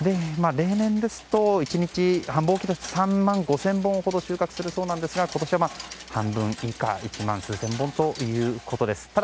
例年ですと、１日、繁忙期ですと３万５０００本ほど収穫するそうなんですが今年は半分以下１万数千本ということです。